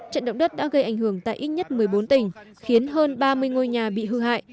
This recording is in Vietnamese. trận động đất đã gây ảnh hưởng tại ít nhất một mươi bốn tỉnh khiến hơn ba mươi ngôi nhà bị hư hại